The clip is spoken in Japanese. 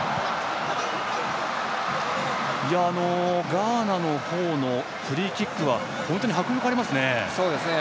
ガーナの方のフリーキックは本当に迫力ありますね。